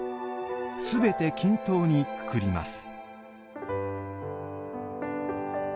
すべて均等にくくります。